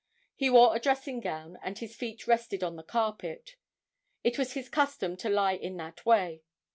He wore a dressing gown and his feet rested on the carpet. It was his custom to lie in that way.